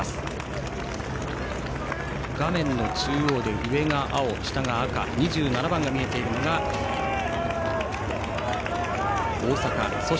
上が青、下が赤２７番が見えているのが大阪。